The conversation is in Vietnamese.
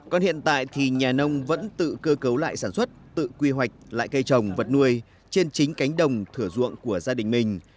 còn hiện tại thì nhà nông vẫn tự cơ cấu lại sản xuất tự quy hoạch lại cây trồng vật nuôi trên chính cánh đồng thửa ruộng của gia đình mình